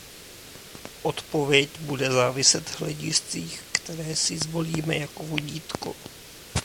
Odpověď bude záviset hlediscích, které si zvolíme jako vodítko.